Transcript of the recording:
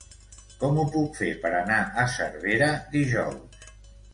Com ho puc fer per anar a Cervera dijous?